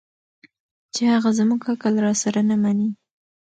چې هغه زموږ عقل راسره نه مني